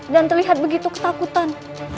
dan terlihat begitu ketakutan